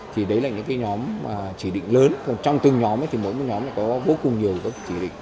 thì đấy là những cái nhóm chỉ định lớn trong từng nhóm thì mỗi nhóm có vô cùng nhiều chỉ định